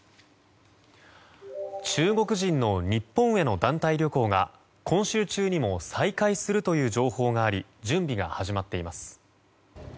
中国人の日本への団体旅行が今週中にも再開するという情報があり準備が始まっています。